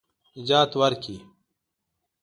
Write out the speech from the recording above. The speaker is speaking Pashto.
نجات ورکړي.